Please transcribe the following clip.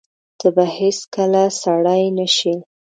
ته به هیڅکله سړی نه شې !